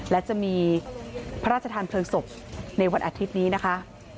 และจะมีพระราชทานเพลิงศพในวันอาทิตย์นี้นะคะ